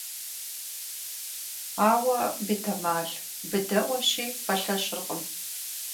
Ауэ, бетэмал, быдэӀуэщи, пэлъэщыркъым.